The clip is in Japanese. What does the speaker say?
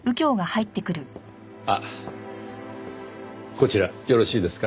こちらよろしいですか？